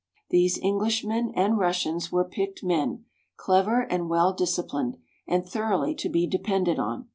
These Englishmen and Russians were picked men, clever and well disciplined, and thoroughly to be depended on.